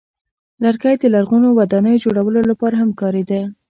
لرګی د لرغونو ودانیو جوړولو لپاره هم کارېده.